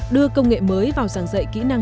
đưa công nghệ mới vào giảng dạy kỹ năng